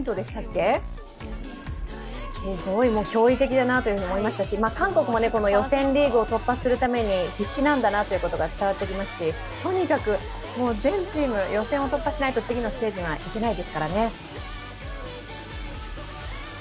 すごい驚異的だなと思いましたし韓国も予選リーグを突破するために必死なんだなということが伝わってきますし、とにかくもう全チーム、予選を突破しないと次のステージには行けないですからね。